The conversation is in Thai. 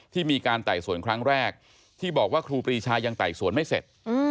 ที่มีการไต่สวนครั้งแรกที่บอกว่าครูปรีชายังไต่สวนไม่เสร็จ